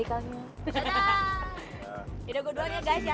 yaudah gua doang ya guys ya